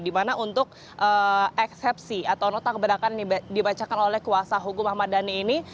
dimana untuk eksepsi atau nota keberatan yang dibacakan oleh kuasa hukum ahmad dhani ini